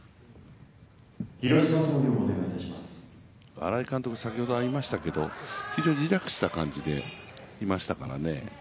新井監督、先ほど合いましたけどリラックスした感じでいましたからね。